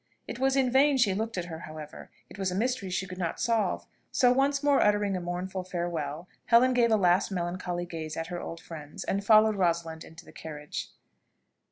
It was in vain she looked at her, however it was a mystery she could not solve: so, once more uttering a mournful farewell, Helen gave a last melancholy gaze at her old friends, and followed Rosalind into the carriage.